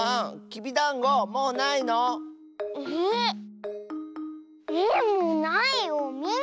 きびだんごもうないの？え。